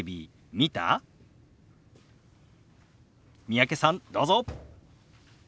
三宅さんどうぞ。